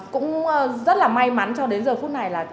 cũng rất là may mắn cho đến giờ phút này là